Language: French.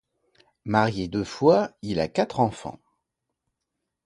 Marié deux fois, il a quatre enfants.